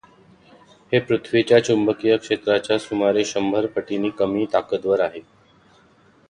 हे पृथ्वीच्या चुंबकीय क्षेत्राच्या सुमारे शंभर पटीनी कमी ताकदवर आहे.